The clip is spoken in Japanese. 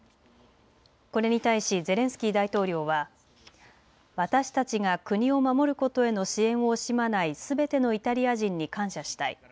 これに対しゼレンスキー大統領は私たちが国を守ることへの支援を惜しまないすべてのイタリア人に感謝したい。